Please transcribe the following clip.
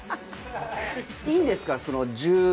いいんですか？